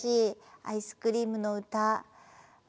「アイスクリームのうた」